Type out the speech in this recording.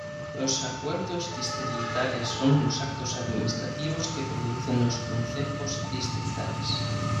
Los acuerdos distritales son los actos administrativos que producen los concejos distritales.